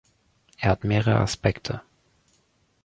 Er hat mehrere Aspekte.